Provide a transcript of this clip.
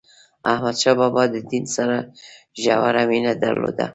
احمد شاه بابا د دین سره ژوره مینه درلوده.